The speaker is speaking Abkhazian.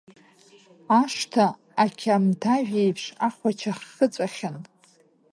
Ашҭа ақьамҭажәеиԥш ахәача ахыҵәахьан.